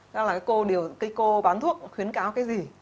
rồi là cái cô bán thuốc khuyến cáo cái gì